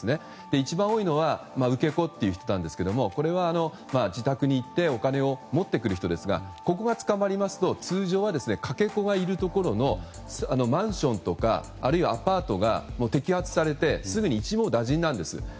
一番多いのは受け子と言ってましたがこれは自宅に行ってお金を持ってくる人ですがここが捕まりますと通常はかけ子がいるところのマンションとかあるいはアパートが摘発されてすでに一網打尽なんです。